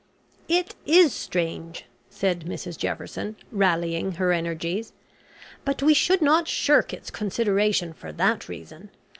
"It is strange," said Mrs Jefferson, rallying her energies, "but we should not shirk its consideration for that reason.